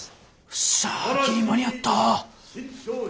よっしゃギリ間に合った。